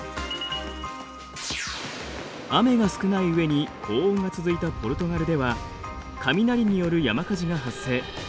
雨が少ない上に高温が続いたポルトガルでは雷による山火事が発生。